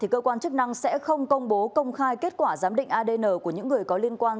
cơ quan chức năng sẽ không công bố công khai kết quả giám định adn của những người có liên quan